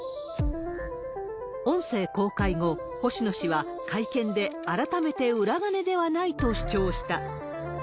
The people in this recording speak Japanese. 音声公開後、星野氏は会見で改めて裏金ではないと主張した。